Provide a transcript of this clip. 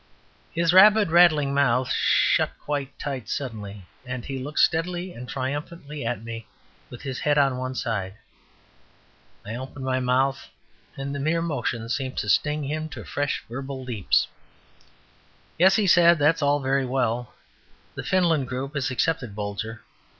His rapid rattling mouth shut quite tight suddenly, and he looked steadily and triumphantly at me, with his head on one side. I opened my mouth, and the mere motion seemed to sting him to fresh verbal leaps. "Yes," he said, "that's all very well. The Finland Group has accepted Bolger.